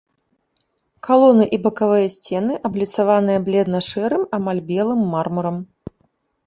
Калоны і бакавыя сцены абліцаваныя бледна-шэрым, амаль белым мармурам.